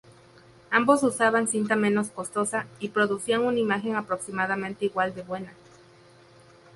Ambos usaban cinta menos costosa, y producían una imagen aproximadamente igual de buena.